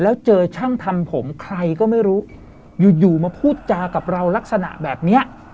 แล้วเจอช่างทำผมใครก็ไม่รู้อยู่อยู่มาพูดจากับเราลักษณะแบบเนี้ย